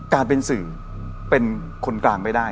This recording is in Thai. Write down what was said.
การเป็นสื่อเป็นคนกลางไม่ได้